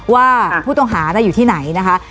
ว่าผู้ต้องหาอยู่ที่ไหนนะคะ